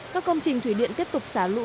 các công trình thủy điện tiếp tục xả lũ